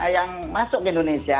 yang masuk ke indonesia